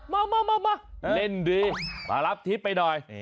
มาเล่นดีมารับทิพย์ไปหน่อย